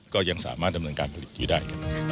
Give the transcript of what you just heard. ก็ยังสามารถดำเนินการผลิตอยู่ได้